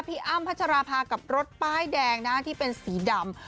อ้ำพัชราภากับรถป้ายแดงนะที่เป็นสีดำ